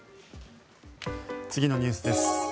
次のニュースです。